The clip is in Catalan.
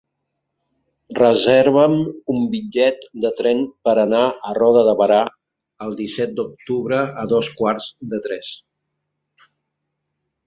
Reserva'm un bitllet de tren per anar a Roda de Berà el disset d'octubre a dos quarts de tres.